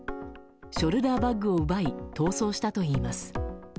ショルダーバッグを奪い逃走したといいます。